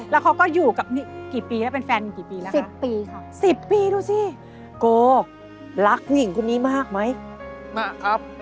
แล้วเขาก็อยู่กับนี่กี่ปีแล้วเป็นแฟนกี่ปีแล้วคะ